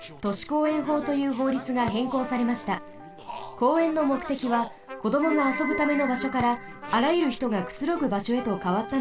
公園のもくてきはこどもがあそぶためのばしょからあらゆるひとがくつろぐばしょへとかわったのです。